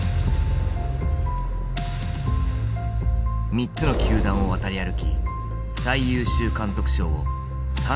３つの球団を渡り歩き最優秀監督賞を３度受賞した名将だ。